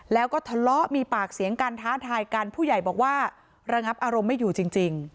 แล้วก็ทะเลาะมีปากเสียงกันท้าทายกันผู้ใหญ่บอกว่าระงับอารมณ์ไม่อยู่จริง